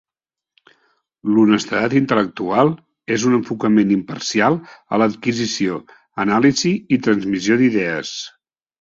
L'honestedat intel·lectual és un enfocament imparcial a l'adquisició, anàlisi i transmissió d'idees.